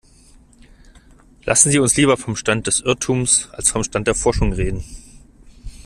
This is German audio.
Lassen Sie uns lieber vom Stand des Irrtums als vom Stand der Forschung reden.